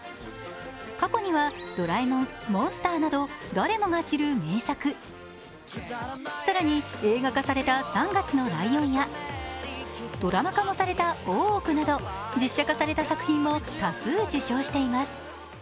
過去には、「ドラえもん」、「ＭＯＮＳＴＥＲ」など誰もが知る名作、更に映画化された「３月のライオン」やドラマ化もされた「大奥」など実写化された作品も多数受賞しています。